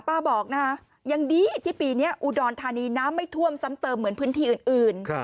บอกนะคะยังดีที่ปีนี้อุดรธานีน้ำไม่ท่วมซ้ำเติมเหมือนพื้นที่อื่น